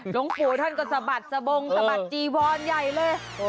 หลวงปู่ท่านก็สะบัดสะบงสะบัดจีวอนใหญ่เลย